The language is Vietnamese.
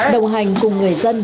đồng hành cùng người dân